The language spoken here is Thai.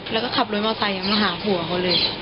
แล้วก็ขับรถมอไซค์มาหาผัวเขาเลย